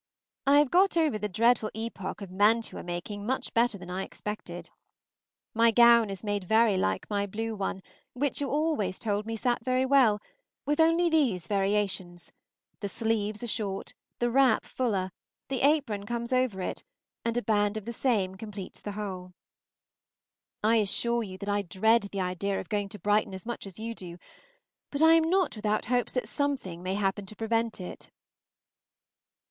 I have got over the dreadful epocha of mantua making much better than I expected. My gown is made very much like my blue one, which you always told me sat very well, with only these variations: the sleeves are short, the wrap fuller, the apron comes over it, and a band of the same completes the whole. I assure you that I dread the idea of going to Brighton as much as you do, but I am not without hopes that something may happen to prevent it.